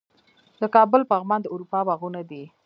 د کابل پغمان د اروپا باغونه دي